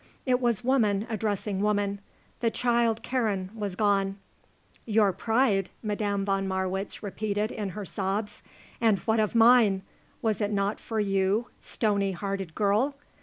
It was woman addressing woman. The child Karen was gone. "Your pride?" Madame von Marwitz repeated in her sobs. "And what of mine? Was it not for you, stony hearted girl?